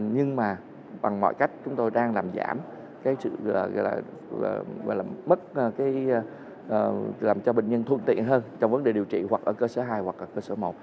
nhưng mà bằng mọi cách chúng tôi đang làm giảm làm cho bệnh nhân thuận tiện hơn trong vấn đề điều trị hoặc ở cơ sở hai hoặc ở cơ sở một